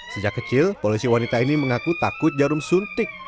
sejak kecil polisi wanita ini mengaku takut jarum suntik